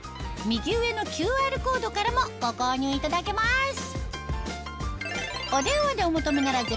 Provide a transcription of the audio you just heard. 右上のＱＲコードからもご購入いただけます